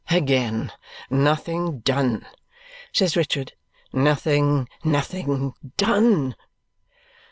"Again nothing done!" says Richard. "Nothing, nothing done!"